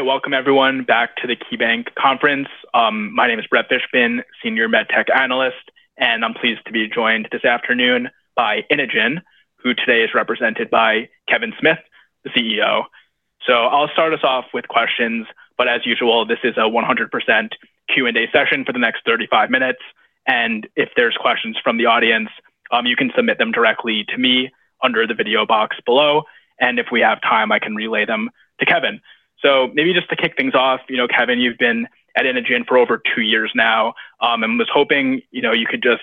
All right. Welcome everyone back to the KeyBanc Conference. My name is Brett Fishbein, Senior MedTech Analyst, and I'm pleased to be joined this afternoon by Inogen, who today is represented by Kevin Smith, the CEO. I'll start us off with questions, but as usual, this is a 100% Q&A session for the next 35 minutes, and if there's questions from the audience, you can submit them directly to me under the video box below, and if we have time, I can relay them to Kevin. Maybe just to kick things off, you know, Kevin, you've been at Inogen for over two years now, and was hoping, you know, you could just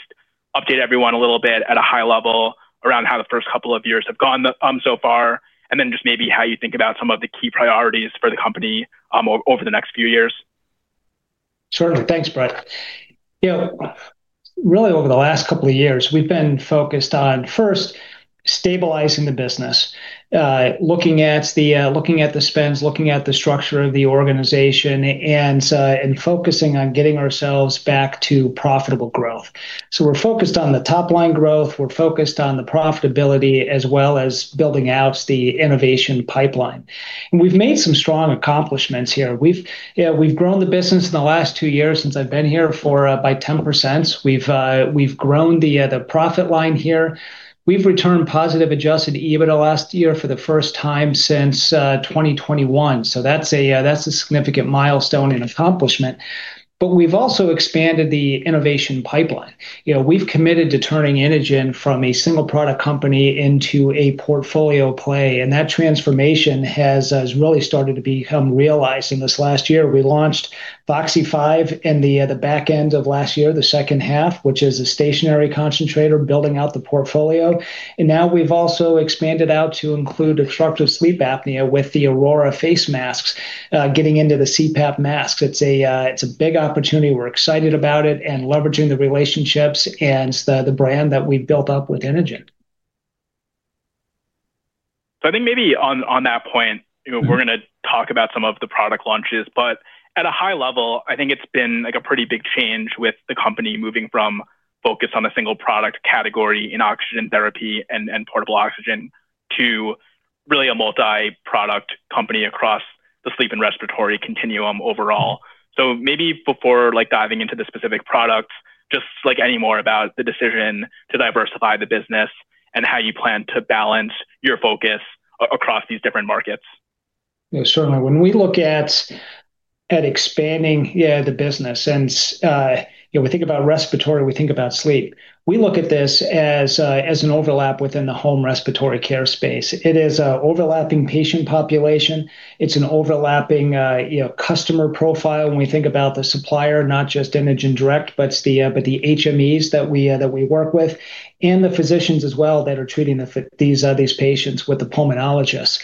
update everyone a little bit at a high level around how the first couple of years have gone, so far, and then just maybe how you think about some of the key priorities for the company, over the next few years? Certainly. Thanks, Brett. You know, really over the last couple of years, we've been focused on first stabilizing the business, looking at the spends, looking at the structure of the organization and focusing on getting ourselves back to profitable growth. We're focused on the top line growth, we're focused on the profitability, as well as building out the innovation pipeline. We've made some strong accomplishments here. You know, we've grown the business in the last two years since I've been here by 10%. We've grown the profit line here. We've returned positive adjusted EBITDA last year for the first time since 2021, so that's a significant milestone and accomplishment. We've also expanded the innovation pipeline. You know, we've committed to turning Inogen from a single product company into a portfolio play, and that transformation has really started to become a reality this last year. We launched Voxi 5 in the back end of last year, the second half, which is a stationary concentrator building out the portfolio. Now we've also expanded out to include obstructive sleep apnea with the Aurora face masks, getting into the CPAP masks. It's a big opportunity. We're excited about it and leveraging the relationships and the brand that we've built up with Inogen. I think maybe on that point, you know, we're gonna talk about some of the product launches, but at a high level, I think it's been like a pretty big change with the company moving from focus on a single product category in oxygen therapy and portable oxygen to really a multi-product company across the sleep and respiratory continuum overall. Maybe before like diving into the specific products, just like any more about the decision to diversify the business and how you plan to balance your focus across these different markets. Yeah, certainly. When we look at expanding the business and, you know, we think about respiratory, we think about sleep, we look at this as an overlap within the home respiratory care space. It is an overlapping patient population. It's an overlapping, you know, customer profile when we think about the supplier, not just Inogen direct, but the HMEs that we work with and the physicians as well that are treating these patients with the pulmonologists.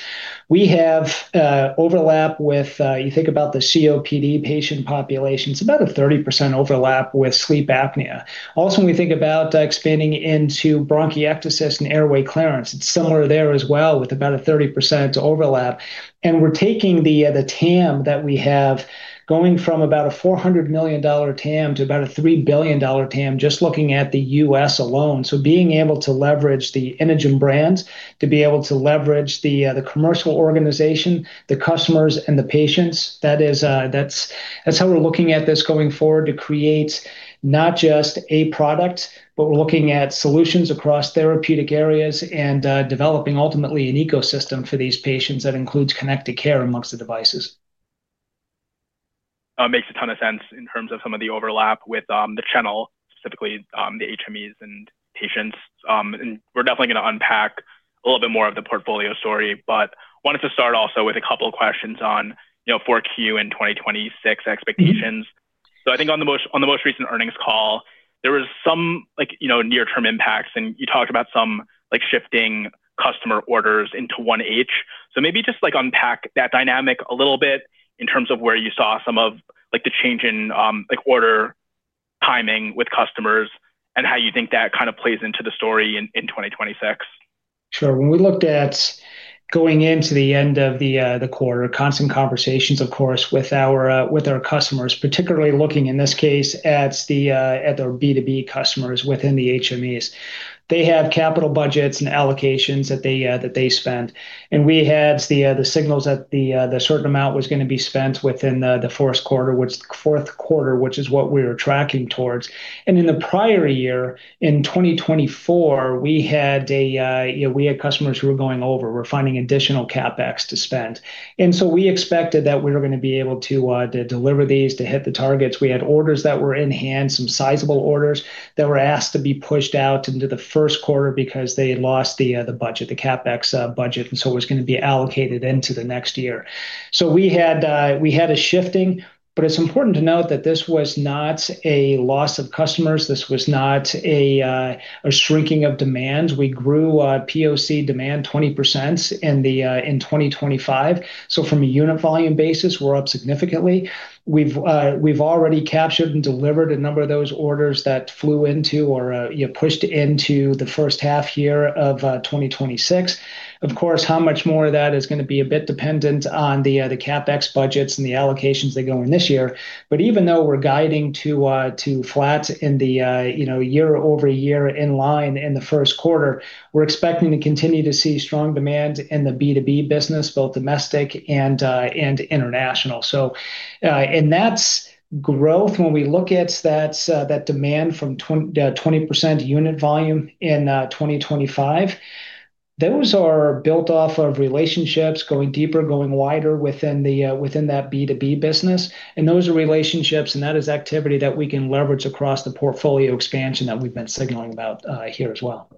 We have overlap with you think about the COPD patient population, it's about a 30% overlap with sleep apnea. Also, when we think about expanding into bronchiectasis and airway clearance, it's similar there as well with about a 30% overlap. We're taking the TAM that we have going from about a $400 million TAM to about a $3 billion TAM just looking at the U.S. alone. Being able to leverage the Inogen brands, to be able to leverage the commercial organization, the customers and the patients, that is, that's how we're looking at this going forward to create not just a product, but we're looking at solutions across therapeutic areas and developing ultimately an ecosystem for these patients that includes connected care among the devices. Makes a ton of sense in terms of some of the overlap with the channel, specifically the HMEs and patients. We're definitely gonna unpack a little bit more of the portfolio story, but wanted to start also with a couple of questions on, you know, Q4 and 2026 expectations. Mm-hmm. I think on the most recent earnings call, there was some like, you know, near term impacts, and you talked about some like shifting customer orders into 1H. Maybe just like unpack that dynamic a little bit in terms of where you saw some of like the change in, like order timing with customers and how you think that kind of plays into the story in 2026? Sure. When we looked at going into the end of the quarter, constant conversations, of course, with our customers, particularly looking in this case at the B2B customers within the HMEs. They have capital budgets and allocations that they spend. We had the signals that the certain amount was gonna be spent within the fourth quarter, which is what we're tracking towards. In the prior year, in 2024, we had, you know, we had customers who were going over. We're finding additional CapEx to spend. We expected that we were gonna be able to deliver these, to hit the targets. We had orders that were in hand, some sizable orders that were asked to be pushed out into the first quarter because they lost the budget, the CapEx budget, and so it was gonna be allocated into the next year. We had a shifting, but it's important to note that this was not a loss of customers. This was not a shrinking of demand. We grew POC demand 20% in 2025. From a unit volume basis, we're up significantly. We've already captured and delivered a number of those orders that flew into or you know, pushed into the H1 year of 2026. Of course, how much more of that is gonna be a bit dependent on the CapEx budgets and the allocations that go in this year. Even though we're guiding to flat in the year-over-year in line in the first quarter, we're expecting to continue to see strong demand in the B2B business, both domestic and international. That's growth. When we look at that demand from 20% unit volume in 2025. Those are built off of relationships going deeper, going wider within that B2B business. Those are relationships and that is activity that we can leverage across the portfolio expansion that we've been signaling about here as well.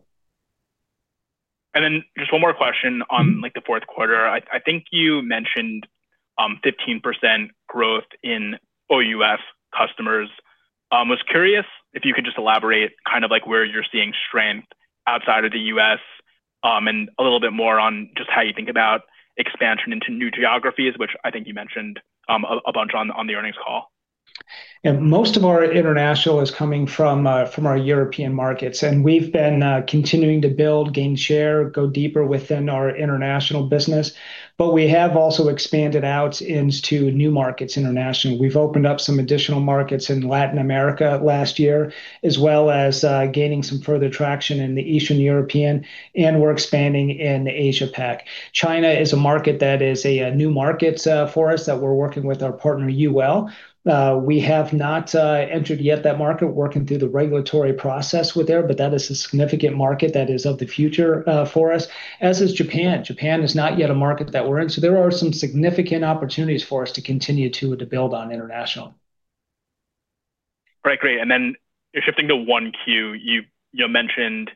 Just one more question on like the fourth quarter. I think you mentioned 15% growth in OUS customers. Was curious if you could just elaborate kind of like where you're seeing strength outside of the U.S., and a little bit more on just how you think about expansion into new geographies, which I think you mentioned a bunch on the earnings call. Yeah. Most of our international is coming from our European markets, and we've been continuing to build, gain share, go deeper within our international business. We have also expanded out into new markets internationally. We've opened up some additional markets in Latin America last year, as well as gaining some further traction in Eastern Europe, and we're expanding in Asia Pac. China is a market that is a new market for us that we're working with our partner, Yuwell. We have not entered yet that market. Working through the regulatory process with there, but that is a significant market that is of the future for us, as is Japan. Japan is not yet a market that we're in, so there are some significant opportunities for us to continue to build on international. Right. Great. Shifting to Q1, you mentioned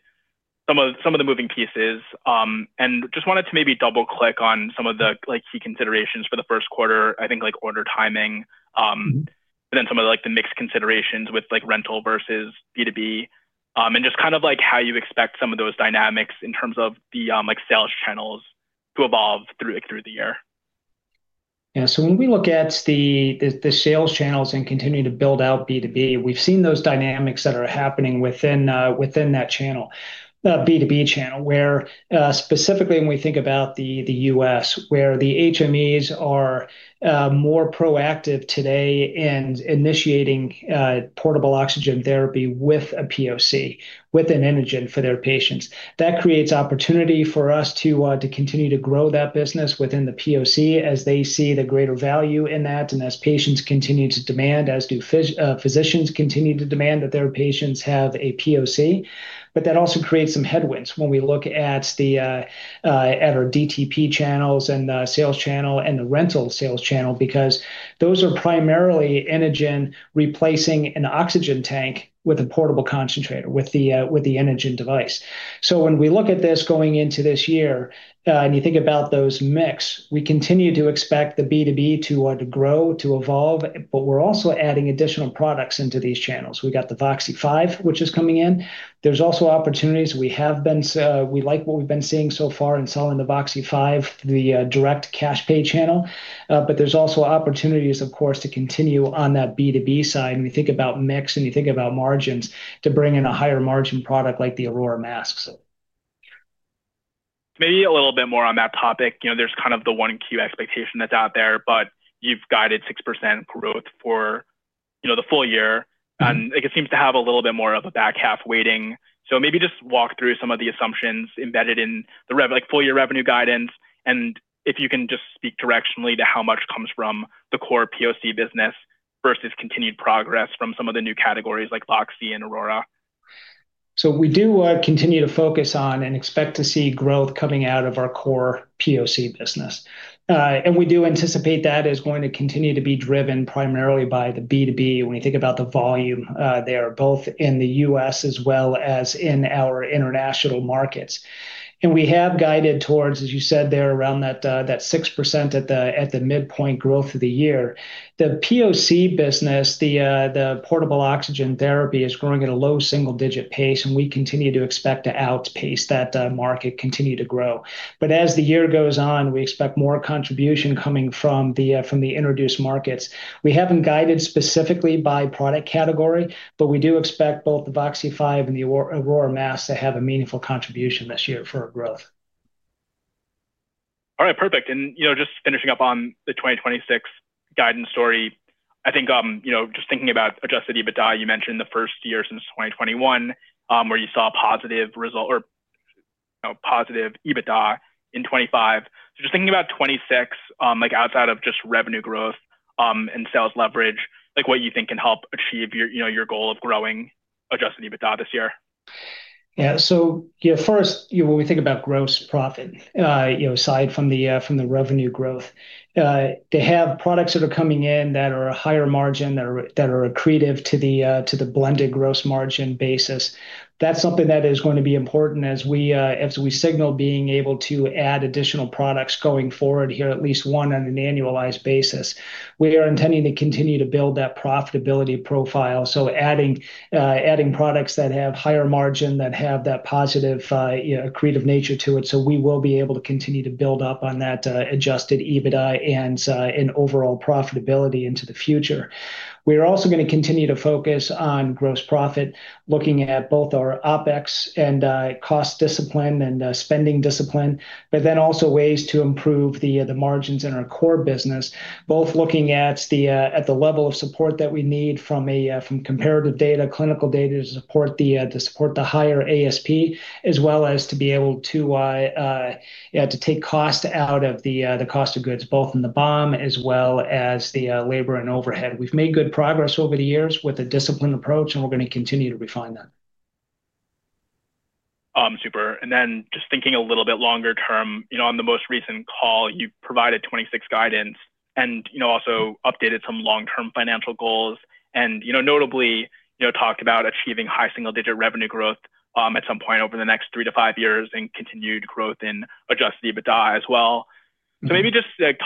some of the moving pieces, and just wanted to maybe double-click on some of the like key considerations for the first quarter. I think like order timing, but then some of like the mix considerations with like rental versus B2B, and just kind of like how you expect some of those dynamics in terms of the like sales channels to evolve through the year. Yeah. When we look at the sales channels and continuing to build out B2B, we've seen those dynamics that are happening within that channel, B2B channel, where specifically when we think about the U.S., where the HMEs are more proactive today in initiating portable oxygen therapy with a POC, with an Inogen for their patients. That creates opportunity for us to continue to grow that business within the POC as they see the greater value in that and as patients continue to demand, as do physicians continue to demand that their patients have a POC. That also creates some headwinds when we look at our DTP channels and the sales channel and the rental sales channel, because those are primarily Inogen replacing an oxygen tank with a portable concentrator, with the Inogen device. When we look at this going into this year, and you think about those mix, we continue to expect the B2B to grow, to evolve, but we're also adding additional products into these channels. We got the Voxi 5, which is coming in. There's also opportunities. We like what we've been seeing so far in selling the Voxi 5, the direct cash pay channel. There's also opportunities, of course, to continue on that B2B side when you think about mix and you think about margins to bring in a higher margin product like the Aurora mask. Maybe a little bit more on that topic. You know, there's kind of the 1Q expectation that's out there, but you've guided 6% growth for, you know, the full year. It seems to have a little bit more of a back-half weighting. Maybe just walk through some of the assumptions embedded in the revenue—like full year revenue guidance, and if you can just speak directionally to how much comes from the core POC business versus continued progress from some of the new categories like Voxi and Aurora. We do continue to focus on and expect to see growth coming out of our core POC business. We do anticipate that is going to continue to be driven primarily by the B2B when you think about the volume, there, both in the U.S. as well as in our international markets. We have guided toward, as you said there, around that 6% at the midpoint growth of the year. The POC business, the portable oxygen therapy is growing at a low single-digit pace, and we continue to expect to outpace that market, continue to grow. As the year goes on, we expect more contribution coming from the introduced markets. We haven't guided specifically by product category, but we do expect both the Voxi 5 and the Aurora mask to have a meaningful contribution this year for our growth. All right. Perfect. You know, just finishing up on the 2026 guidance story. I think, you know, just thinking about adjusted EBITDA, you mentioned the first year since 2021, where you saw a positive result or, you know, positive EBITDA in 2025. Just thinking about 2026, like outside of just revenue growth, and sales leverage, like what you think can help achieve your, you know, your goal of growing adjusted EBITDA this year. Yeah. You know, first, you know, when we think about gross profit, you know, aside from the revenue growth, to have products that are coming in that are a higher margin, that are accretive to the blended gross margin basis, that's something that is going to be important as we signal being able to add additional products going forward here, at least one on an annualized basis. We are intending to continue to build that profitability profile, adding products that have higher margin, that have that positive, you know, accretive nature to it. We will be able to continue to build up on that adjusted EBITDA and overall profitability into the future. We are also gonna continue to focus on gross profit, looking at both our OpEx and cost discipline and spending discipline, but then also ways to improve the margins in our core business, both looking at the level of support that we need from comparative data, clinical data to support the higher ASP, as well as to be able to take cost out of the cost of goods, both in the BOM as well as the labor and overhead. We've made good progress over the years with a disciplined approach, and we're gonna continue to refine that. Super. Just thinking a little bit longer term, you know, on the most recent call, you provided 2026 guidance and, you know, also updated some long-term financial goals and, you know, notably, you know, talked about achieving high single-digit revenue growth, at some point over the next three to five years and continued growth in adjusted EBITDA as well. Mm-hmm. Maybe just, like,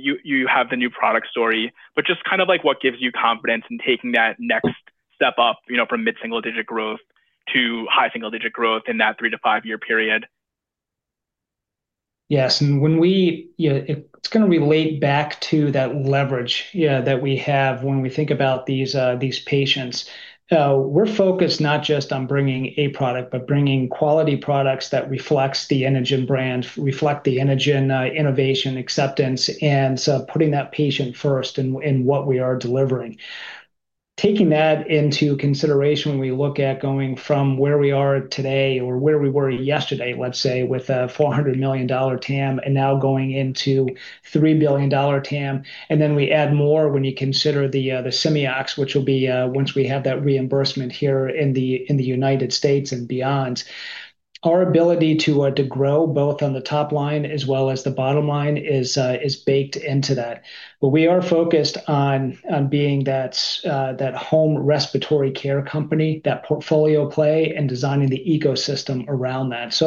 you have the new product story, but just kind of like what gives you confidence in taking that next step up, you know, from mid-single-digit growth to high single-digit growth in that three to five-year period? Yes. It, it's gonna relate back to that leverage that we have when we think about these patients. We're focused not just on bringing a product, but bringing quality products that reflect the Inogen brand, the Inogen innovation acceptance, and so putting that patient first in what we are delivering. Taking that into consideration when we look at going from where we are today or where we were yesterday, let's say, with a $400 million TAM and now going into $3 billion TAM, and then we add more when you consider the Simeox, which will be once we have that reimbursement here in the United States and beyond. Our ability to grow both on the top line as well as the bottom line is baked into that. We are focused on being that home respiratory care company, that portfolio play and designing the ecosystem around that.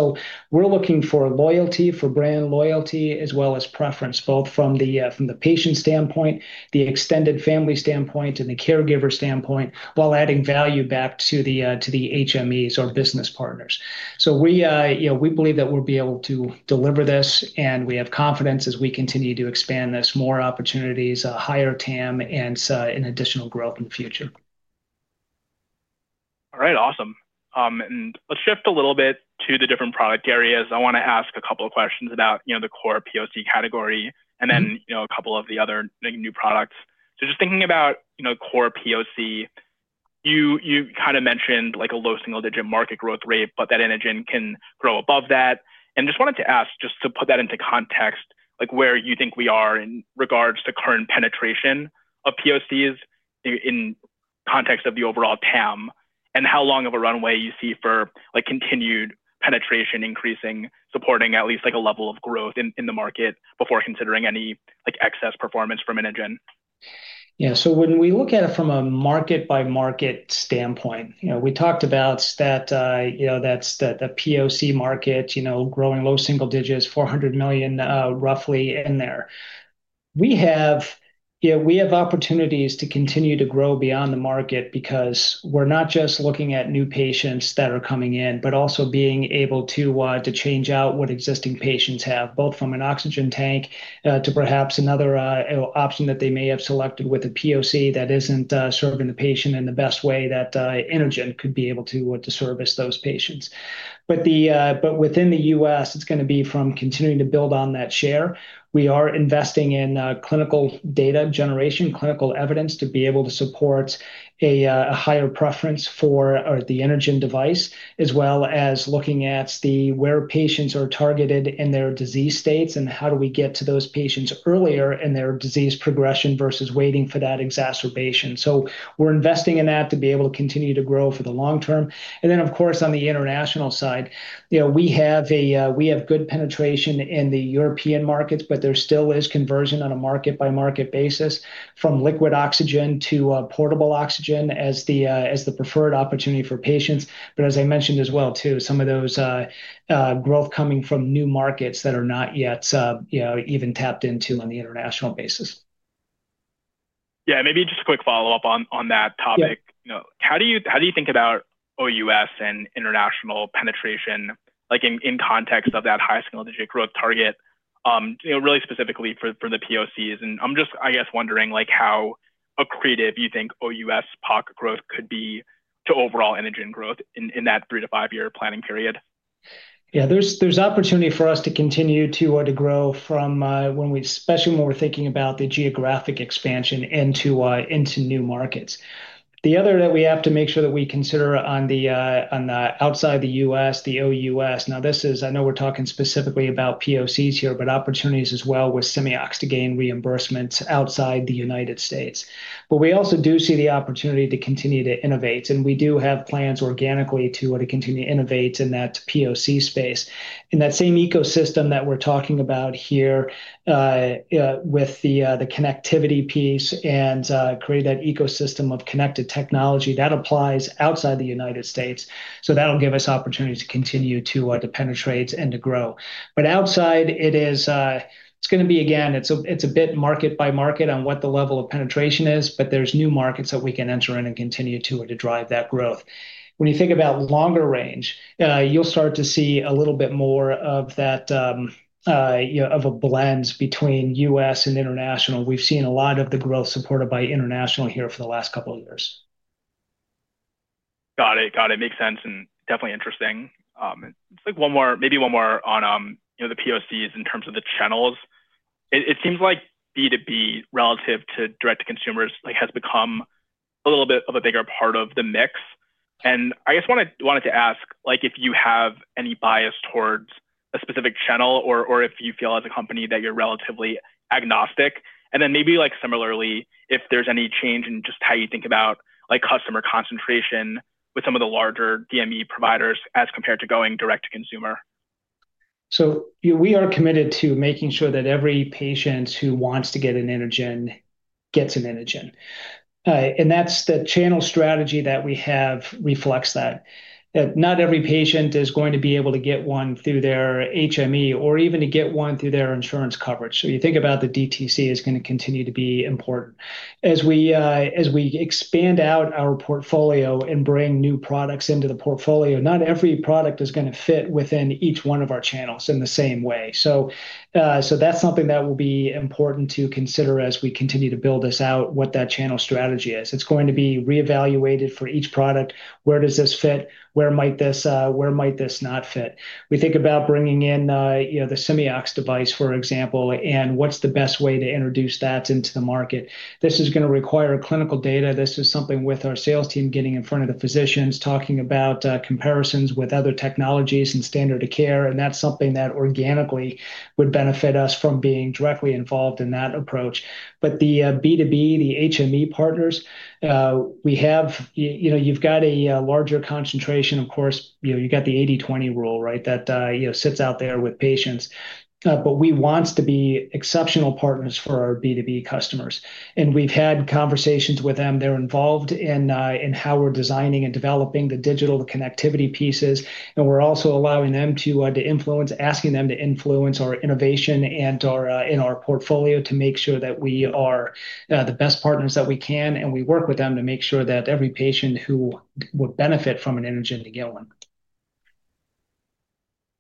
We're looking for loyalty, for brand loyalty as well as preference, both from the patient standpoint, the extended family standpoint and the caregiver standpoint, while adding value back to the HMEs or business partners. We, you know, believe that we'll be able to deliver this, and we have confidence as we continue to expand this, more opportunities, higher TAM and an additional growth in the future. All right, awesome. Let's shift a little bit to the different product areas. I wanna ask a couple of questions about, you know, the core POC category. Mm-hmm You know, a couple of the other new products. Just thinking about, you know, core POC, you kinda mentioned like a low single digit market growth rate, but that Inogen can grow above that. Just wanted to ask, just to put that into context, like where you think we are in regards to current penetration of POCs in context of the overall TAM, and how long of a runway you see for, like, continued penetration increasing, supporting at least like a level of growth in the market before considering any, like, excess performance from Inogen. Yeah. When we look at it from a market-by-market standpoint, you know, we talked about that stat, the POC market, you know, growing low single digits%, $400 million, roughly in there. We have opportunities to continue to grow beyond the market because we're not just looking at new patients that are coming in, but also being able to change out what existing patients have, both from an oxygen tank to perhaps another option that they may have selected with a POC that isn't serving the patient in the best way that Inogen could be able to service those patients. But within the U.S., it's gonna be from continuing to build on that share. We are investing in clinical data generation, clinical evidence to be able to support a higher preference for the Inogen device, as well as looking at where patients are targeted in their disease states and how do we get to those patients earlier in their disease progression versus waiting for that exacerbation. We're investing in that to be able to continue to grow for the long term. Of course, on the international side, you know, we have good penetration in the European markets, but there still is conversion on a market-by-market basis from liquid oxygen to portable oxygen as the preferred opportunity for patients. As I mentioned as well too, some of those growth coming from new markets that are not yet, you know, even tapped into on the international basis. Yeah. Maybe just a quick follow-up on that topic. Yeah. You know, how do you think about OUS and international penetration, like in context of that high single-digit growth target, you know, really specifically for the POCs? I'm just, I guess, wondering like how accretive you think OUS POC growth could be to overall Inogen growth in that three to five-year planning period. Yeah. There's opportunity for us to continue to grow, especially when we're thinking about the geographic expansion into new markets. The other that we have to make sure that we consider on the outside the U.S., the OUS. Now I know we're talking specifically about POCs here, but opportunities as well with Simeox to gain reimbursements outside the United States. We also do see the opportunity to continue to innovate, and we do have plans organically to continue to innovate in that POC space. In that same ecosystem that we're talking about here, with the connectivity piece and create that ecosystem of connected technology, that applies outside the United States. That'll give us opportunity to continue to penetrate and to grow. Outside it is, it's gonna be, again, it's a bit market by market on what the level of penetration is, but there's new markets that we can enter in and continue to drive that growth. When you think about longer range, you'll start to see a little bit more of that, you know, of a blend between U.S. and international. We've seen a lot of the growth supported by international here for the last couple of years. Got it. Makes sense, and definitely interesting. Just like one more on, you know, the POCs in terms of the channels. It seems like B2B relative to direct to consumers, like, has become a little bit of a bigger part of the mix. I just wanted to ask, like, if you have any bias towards a specific channel or if you feel as a company that you're relatively agnostic. Maybe, like, similarly, if there's any change in just how you think about, like, customer concentration with some of the larger DME providers as compared to going direct to consumer. We are committed to making sure that every patient who wants to get an Inogen gets an Inogen. That's the channel strategy that we have reflects that. That not every patient is going to be able to get one through their HME or even to get one through their insurance coverage. You think about the DTC is gonna continue to be important. As we expand out our portfolio and bring new products into the portfolio, not every product is gonna fit within each one of our channels in the same way. That's something that will be important to consider as we continue to build this out, what that channel strategy is. It's going to be reevaluated for each product. Where does this fit? Where might this not fit? We think about bringing in, you know, the Simeox device, for example, and what's the best way to introduce that into the market. This is gonna require clinical data. This is something with our sales team getting in front of the physicians, talking about, comparisons with other technologies and standard of care, and that's something that organically would benefit us from being directly involved in that approach. The B2B, the HME partners, you know, you've got a larger concentration, of course. You know, you've got the 80/20 rule, right? That you know, sits out there with patients. We want to be exceptional partners for our B2B customers. We've had conversations with them. They're involved in how we're designing and developing the digital connectivity pieces, and we're also allowing them to influence, asking them to influence our innovation and in our portfolio to make sure that we are the best partners that we can, and we work with them to make sure that every patient who would benefit from an Inogen to get one.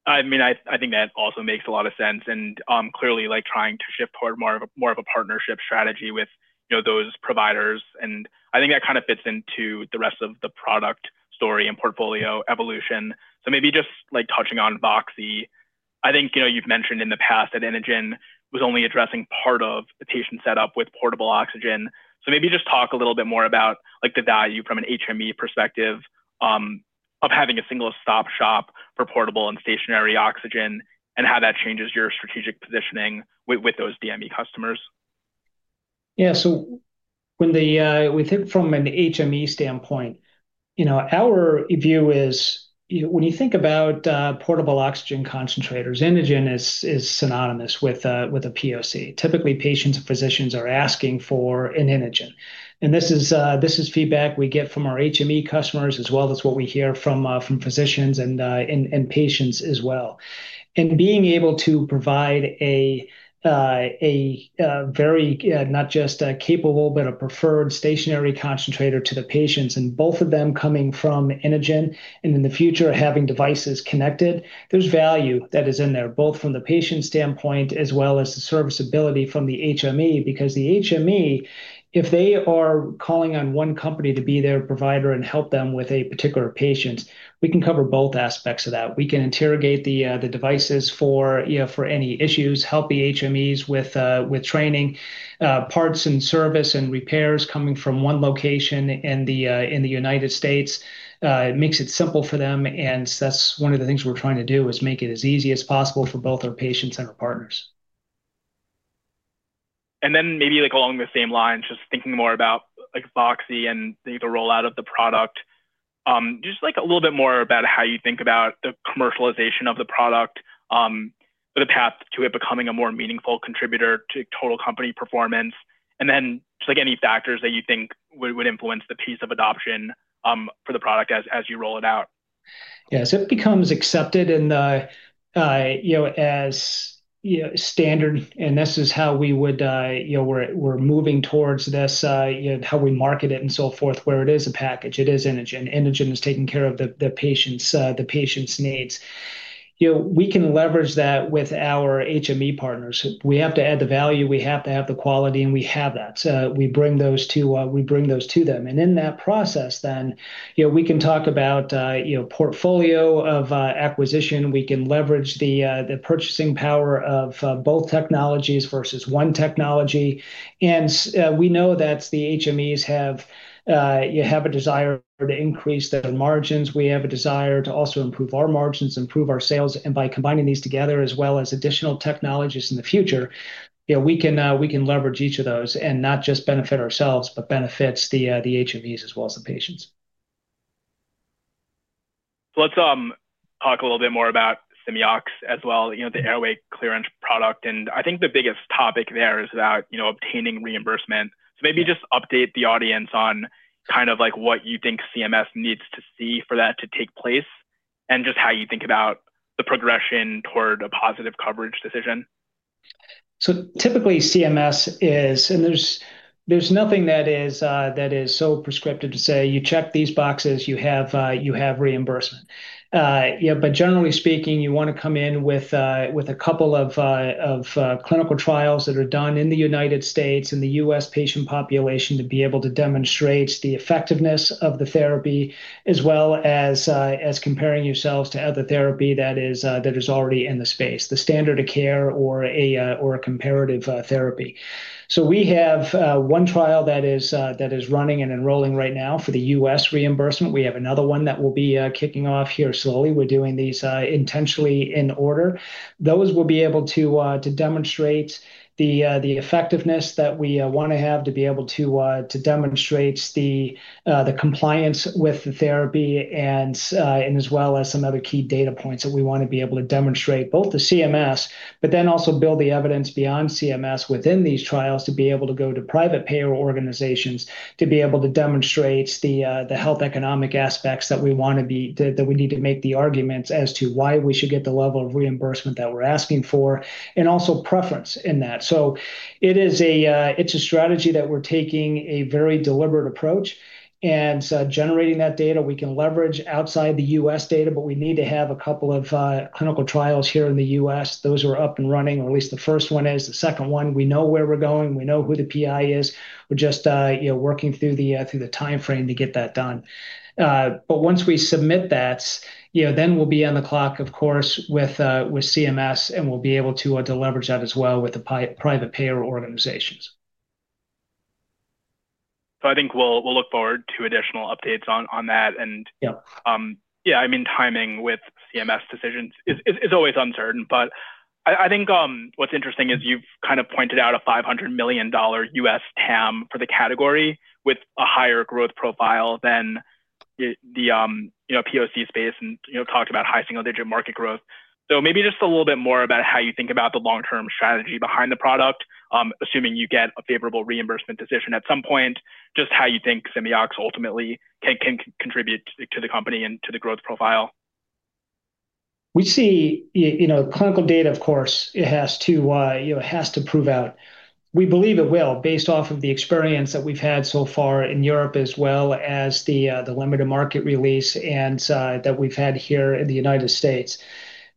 I mean, I think that also makes a lot of sense and, clearly, like, trying to shift toward more of a partnership strategy with, you know, those providers. I think that kind of fits into the rest of the product story and portfolio evolution. Maybe just, like, touching on Voxi. I think, you know, you've mentioned in the past that Inogen was only addressing part of the patient setup with portable oxygen. Maybe just talk a little bit more about, like, the value from an HME perspective, of having a single stop shop for portable and stationary oxygen and how that changes your strategic positioning with those DME customers. Yeah. We think from an HME standpoint, you know, our view is when you think about portable oxygen concentrators, Inogen is synonymous with a POC. Typically, patients and physicians are asking for an Inogen. This is feedback we get from our HME customers as well as what we hear from physicians and patients as well. Being able to provide a very not just a capable, but a preferred stationary concentrator to the patients, both of them coming from Inogen, and in the future, having devices connected, there's value that is in there, both from the patient standpoint as well as the serviceability from the HME. Because the HME, if they are calling on one company to be their provider and help them with a particular patient, we can cover both aspects of that. We can interrogate the devices for, you know, for any issues, help the HMEs with training. Parts and service and repairs coming from one location in the United States, it makes it simple for them, and that's one of the things we're trying to do, is make it as easy as possible for both our patients and our partners. Maybe, like, along the same lines, just thinking more about, like, Voxi and the rollout of the product. Just, like, a little bit more about how you think about the commercialization of the product, or the path to it becoming a more meaningful contributor to total company performance. Just, like, any factors that you think would influence the pace of adoption, for the product as you roll it out. Yeah. As it becomes accepted and, you know, as, you know, standard, and this is how we would, you know, we're moving towards this, you know, how we market it and so forth, where it is a package, it is Inogen. Inogen is taking care of the patient's needs. You know, we can leverage that with our HME partners. We have to add the value, we have to have the quality, and we have that. We bring those to them. In that process, you know, we can talk about, you know, portfolio of acquisition. We can leverage the purchasing power of both technologies versus one technology. We know that the HMEs have, you have a desire to increase their margins. We have a desire to also improve our margins, improve our sales. By combining these together as well as additional technologies in the future, you know, we can leverage each of those and not just benefit ourselves, but benefits the HMEs as well as the patients. Let's talk a little bit more about Simeox as well, you know, the airway clearance product. I think the biggest topic there is about, you know, obtaining reimbursement. Maybe just update the audience on kind of like what you think CMS needs to see for that to take place and just how you think about the progression toward a positive coverage decision. Typically CMS is and there's nothing that is so prescriptive to say, "You check these boxes, you have reimbursement." Yeah, but generally speaking, you want to come in with a couple of clinical trials that are done in the United States and the U.S. patient population to be able to demonstrate the effectiveness of the therapy as well as comparing yourselves to other therapy that is already in the space, the standard of care or a comparative therapy. We have one trial that is running and enrolling right now for the U.S. reimbursement. We have another one that will be kicking off here slowly. We're doing these intentionally in order. Those will be able to demonstrate the effectiveness that we want to have to be able to demonstrate the compliance with the therapy and as well as some other key data points that we want to be able to demonstrate both to CMS, but then also build the evidence beyond CMS within these trials to be able to go to private payer organizations to be able to demonstrate the health economic aspects that we need to make the arguments as to why we should get the level of reimbursement that we're asking for, and also preference in that. It is a strategy that we're taking a very deliberate approach and generating that data. We can leverage outside the U.S. data, but we need to have a couple of clinical trials here in the U.S. Those are up and running, or at least the first one is. The second one, we know where we're going. We know who the PI is. We're just, you know, working through the timeframe to get that done. But once we submit that, you know, then we'll be on the clock, of course, with CMS, and we'll be able to to leverage that as well with the private payer organizations. I think we'll look forward to additional updates on that. Yeah. Yeah, I mean, timing with CMS decisions is always uncertain. I think what's interesting is you've kind of pointed out a $500 million US TAM for the category with a higher growth profile than the you know, POC space and, you know, talked about high single-digit market growth. Maybe just a little bit more about how you think about the long-term strategy behind the product, assuming you get a favorable reimbursement decision at some point, just how you think Simeox ultimately can contribute to the company and to the growth profile. We see, you know, clinical data, of course, it has to, you know, it has to prove out. We believe it will based off of the experience that we've had so far in Europe as well as the limited market release and that we've had here in the United States.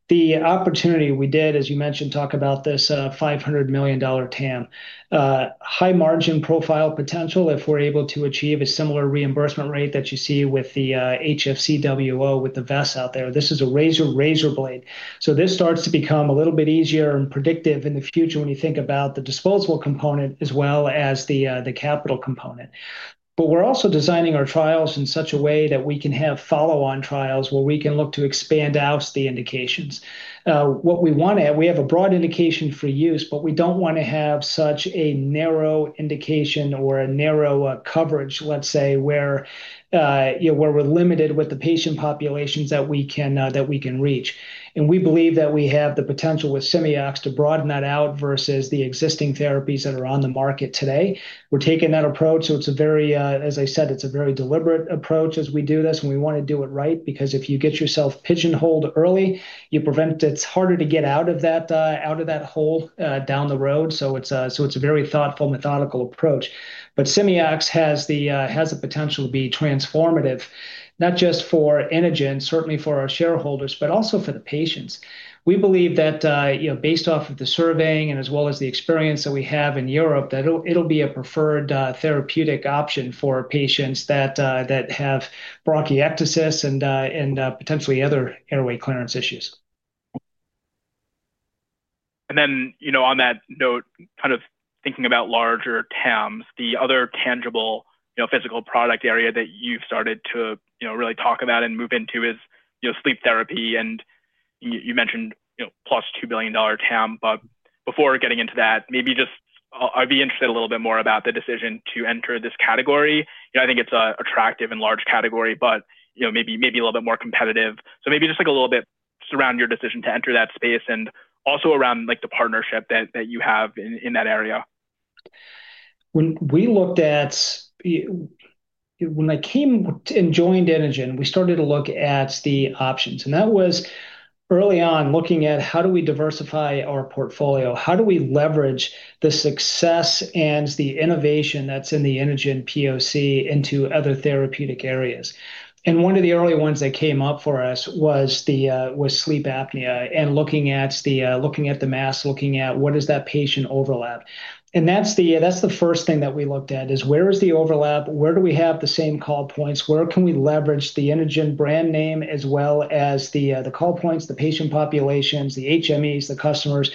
The opportunity we did, as you mentioned, talk about this $500 million TAM. High margin profile potential if we're able to achieve a similar reimbursement rate that you see with the HFCWO with the vests out there. This is a razor blade. This starts to become a little bit easier and predictive in the future when you think about the disposable component as well as the capital component. We're also designing our trials in such a way that we can have follow-on trials where we can look to expand out the indications. What we want to have, we have a broad indication for use, but we don't want to have such a narrow indication or a narrow coverage, let's say, where, you know, where we're limited with the patient populations that we can reach. We believe that we have the potential with Simeox to broaden that out versus the existing therapies that are on the market today. We're taking that approach, so it's a very, as I said, it's a very deliberate approach as we do this, and we want to do it right because if you get yourself pigeonholed early, it's harder to get out of that hole down the road. It's a very thoughtful, methodical approach. Simeox has the potential to be transformative, not just for Inogen, certainly for our shareholders, but also for the patients. We believe that, you know, based off of the surveying and as well as the experience that we have in Europe, that it'll be a preferred therapeutic option for patients that have bronchiectasis and potentially other airway clearance issues. Then, you know, on that note, kind of thinking about larger TAMs, the other tangible, you know, physical product area that you've started to, you know, really talk about and move into is, you know, sleep therapy. You mentioned, you know, +$2 billion TAM. Before getting into that, maybe just I'll, I'd be interested a little bit more about the decision to enter this category. You know, I think it's attractive and large category, but, you know, maybe a little bit more competitive. Maybe just like a little bit around your decision to enter that space and also around like the partnership that you have in that area. When I came and joined Inogen, we started to look at the options, and that was early on looking at how do we diversify our portfolio? How do we leverage the success and the innovation that's in the Inogen POC into other therapeutic areas? One of the early ones that came up for us was sleep apnea and looking at the mask, looking at what is that patient overlap. That's the first thing that we looked at is where is the overlap? Where do we have the same call points? Where can we leverage the Inogen brand name as well as the call points, the patient populations, the HMEs, the customers?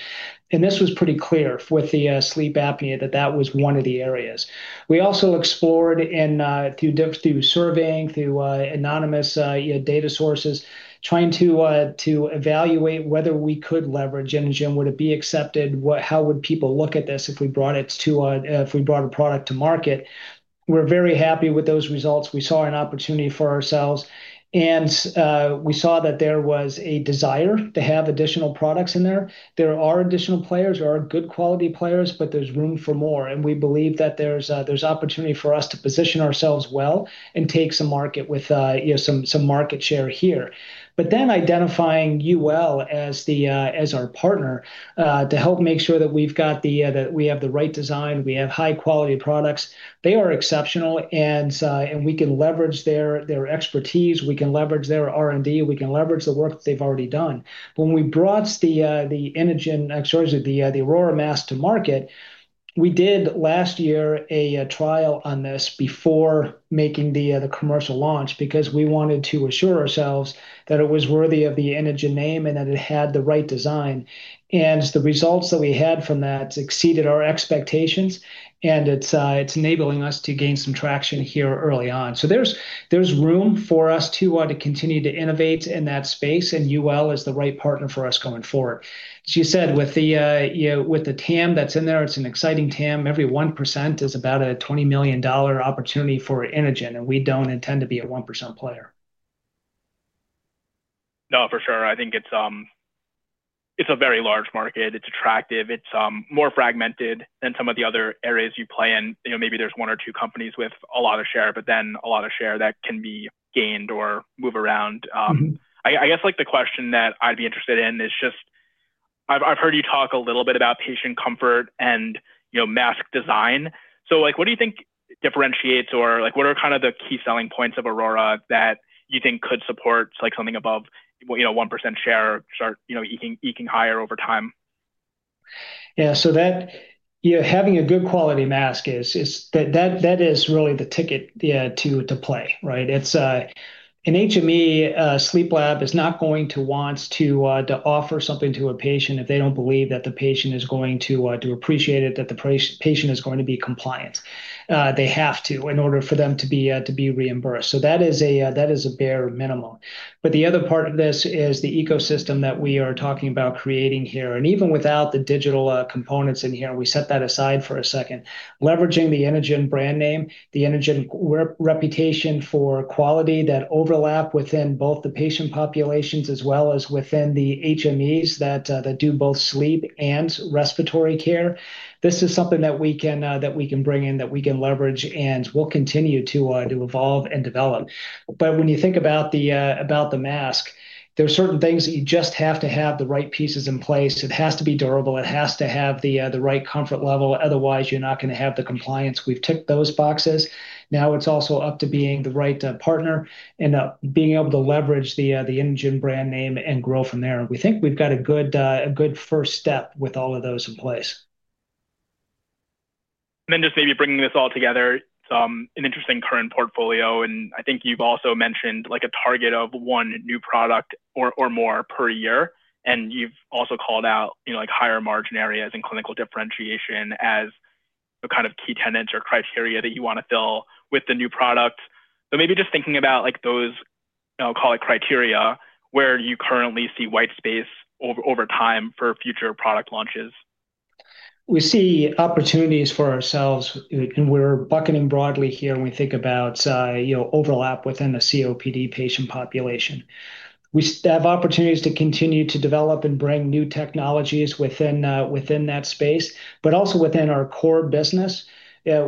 This was pretty clear with the sleep apnea that that was one of the areas. We also explored through surveying, anonymous, you know, data sources, trying to evaluate whether we could leverage Inogen. Would it be accepted? How would people look at this if we brought a product to market? We're very happy with those results. We saw an opportunity for ourselves, and we saw that there was a desire to have additional products in there. There are additional players. There are good quality players, but there's room for more. We believe that there's opportunity for us to position ourselves well and take some market with, you know, some market share here. Identifying Yuwell as our partner to help make sure that we have the right design, we have high-quality products, they are exceptional and we can leverage their expertise, we can leverage their R&D, we can leverage the work that they've already done. When we brought the Inogen, actually the Aurora mask to market. We did last year a trial on this before making the commercial launch because we wanted to assure ourselves that it was worthy of the Inogen name and that it had the right design. The results that we had from that exceeded our expectations, and it's enabling us to gain some traction here early on. There's room for us to continue to innovate in that space, and Yuwell is the right partner for us going forward. As you said, you know, with the TAM that's in there, it's an exciting TAM. Every 1% is about a $20 million opportunity for Inogen, and we don't intend to be a 1% player. No, for sure. I think it's a very large market. It's attractive. It's more fragmented than some of the other areas you play in. You know, maybe there's one or two companies with a lot of share, but then a lot of share that can be gained or move around. I guess, like, the question that I'd be interested in is just I've heard you talk a little bit about patient comfort and, you know, mask design. So, like, what do you think differentiates or, like, what are kind of the key selling points of Aurora that you think could support, like, something above, you know, 1% share, you know, eking higher over time? Yeah. That, you know, having a good quality mask is. That is really the ticket, yeah, to play, right? It's in HME, sleep lab is not going to want to offer something to a patient if they don't believe that the patient is going to appreciate it, that the patient is going to be compliant. They have to in order for them to be reimbursed. That is a bare minimum. The other part of this is the ecosystem that we are talking about creating here. Even without the digital components in here, we set that aside for a second, leveraging the Inogen brand name, the Inogen reputation for quality that overlap within both the patient populations as well as within the HMEs that do both sleep and respiratory care. This is something that we can bring in, that we can leverage, and we'll continue to evolve and develop. When you think about the mask, there are certain things that you just have to have the right pieces in place. It has to be durable. It has to have the right comfort level, otherwise you're not gonna have the compliance. We've ticked those boxes. Now it's also up to being the right partner and being able to leverage the Inogen brand name and grow from there. We think we've got a good first step with all of those in place. Just maybe bringing this all together, an interesting current portfolio, and I think you've also mentioned, like, a target of one new product or more per year, and you've also called out, you know, like, higher margin areas and clinical differentiation as the kind of key tenets or criteria that you wanna fill with the new product. Maybe just thinking about, like, those, I'll call it, criteria, where do you currently see white space over time for future product launches? We see opportunities for ourselves, and we're bucketing broadly here when we think about, you know, overlap within the COPD patient population. We have opportunities to continue to develop and bring new technologies within that space. Also within our core business,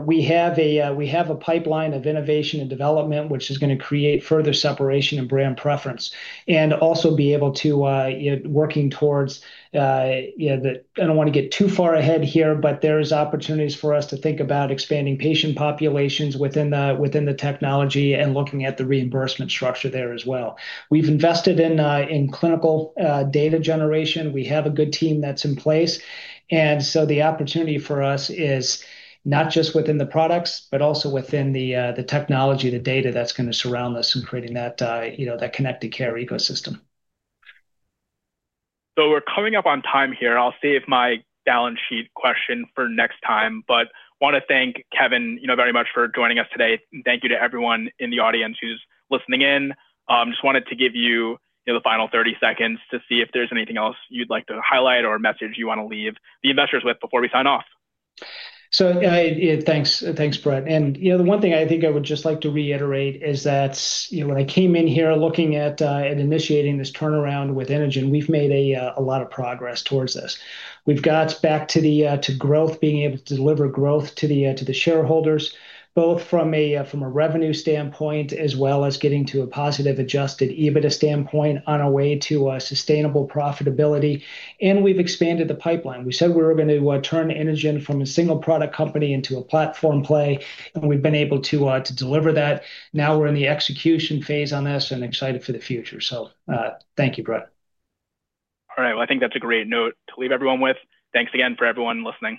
we have a pipeline of innovation and development, which is gonna create further separation and brand preference and also be able to, you know, working towards, you know, I don't wanna get too far ahead here, but there's opportunities for us to think about expanding patient populations within the technology and looking at the reimbursement structure there as well. We've invested in clinical data generation. We have a good team that's in place. The opportunity for us is not just within the products, but also within the technology, the data that's gonna surround us in creating that, you know, that connected care ecosystem. We're coming up on time here. I'll save my balance sheet question for next time. Wanna thank Kevin, you know, very much for joining us today. Thank you to everyone in the audience who's listening in. Just wanted to give you know, the final 30 seconds to see if there's anything else you'd like to highlight or a message you wanna leave the investors with before we sign off. Yeah, thanks. Thanks, Brett. You know, the one thing I think I would just like to reiterate is that, you know, when I came in here looking at and initiating this turnaround with Inogen, we've made a lot of progress towards this. We've got back to growth, being able to deliver growth to the shareholders, both from a revenue standpoint as well as getting to a positive adjusted EBITDA standpoint on our way to a sustainable profitability. We've expanded the pipeline. We said we were gonna turn Inogen from a single product company into a platform play, and we've been able to deliver that. Now we're in the execution phase on this and excited for the future. Thank you, Brett. All right. Well, I think that's a great note to leave everyone with. Thanks again for everyone listening.